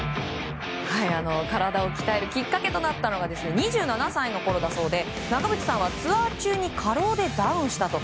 体を鍛えるきっかけとなったのは２７歳の時だそうで長渕さんはツアー中に過労でダウンしたと。